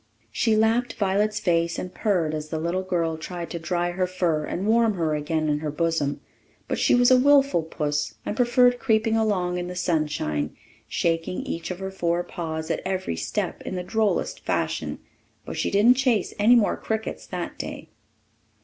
She lapped Violet's face and purred as the little girl tried to dry her fur and warm her again in her bosom; but she was a wilful puss, and preferred creeping along in the sunshine, shaking each of her four paws at every step in the drollest fashion. But she didn't chase any more crickets that day.